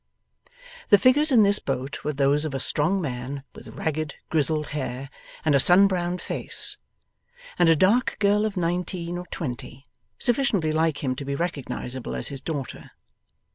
The figures in this boat were those of a strong man with ragged grizzled hair and a sun browned face, and a dark girl of nineteen or twenty, sufficiently like him to be recognizable as his daughter.